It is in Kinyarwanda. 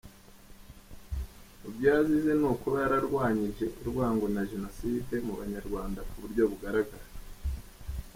Mubyo yazize ni ukuba yararwanyije urwango na Jenoside mu Banyarwanda ku buryo bugaragara.